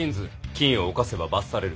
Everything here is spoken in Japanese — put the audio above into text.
禁を犯せば罰される。